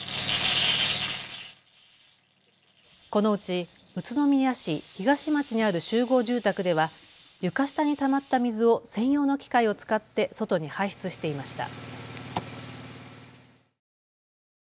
このうち宇都宮市東町にある集合住宅では床下にたまった水を専用の機械を使って外に排出していました。